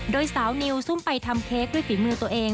โดยสาวนิวซุ่มไปทำเค้กด้วยฝีมือตัวเอง